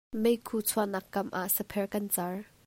Meikhu chuahnak kam ah sapherh kan caar.